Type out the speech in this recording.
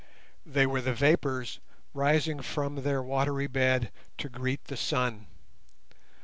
They were the vapours rising from their watery bed to greet the sun.